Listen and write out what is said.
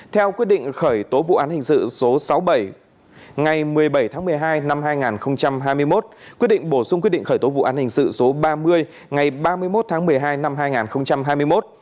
theo quyết định khởi tố vụ án hình sự số sáu mươi bảy ngày một mươi bảy tháng một mươi hai năm hai nghìn hai mươi một quyết định bổ sung quyết định khởi tố vụ án hình sự số ba mươi ngày ba mươi một tháng một mươi hai năm hai nghìn hai mươi một